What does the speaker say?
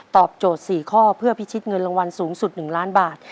ตอบโจทย์สี่ข้อเพื่อพิชิตเงินรางวัลสูงสุดหนึ่งล้านบาท